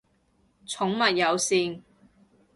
寵物友善